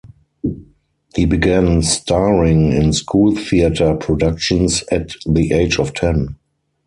He began starring in school theatre productions at the age of ten.